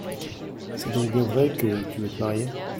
C’est donc bien vrai que tu veux te marier ?